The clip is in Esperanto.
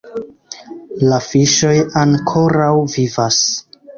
La fiŝoj ankoraŭ vivas